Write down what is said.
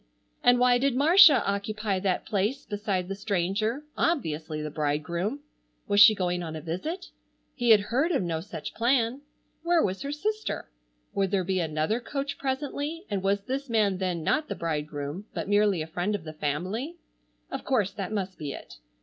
And why did Marcia occupy that place beside the stranger, obviously the bridegroom? Was she going on a visit? He had heard of no such plan. Where was her sister? Would there be another coach presently, and was this man then not the bridegroom but merely a friend of the family? Of course, that must be it.